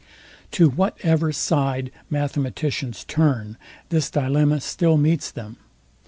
To whatever side mathematicians turn, this dilemma still meets them.